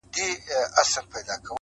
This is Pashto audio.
دلته چې راتلو شپې مو د اور سره منلي وې٫